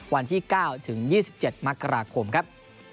วันที่๙ถึง๒๗มกราคมครับ